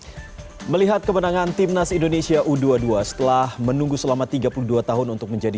hai melihat kemenangan timnas indonesia u dua puluh dua setelah menunggu selama tiga puluh dua tahun untuk menjadi